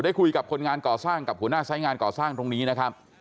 คุยกับคนงานก่อสร้างกับหัวหน้าสายงานก่อสร้างตรงนี้นะครับ